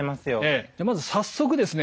じゃあまず早速ですね